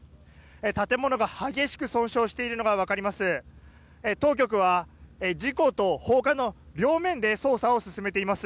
建物が激しく損傷しているのが分かります。